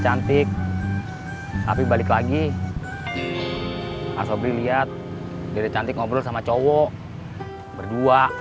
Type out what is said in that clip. cantik tapi balik lagi asobri lihat dada cantik ngobrol sama cowok berdua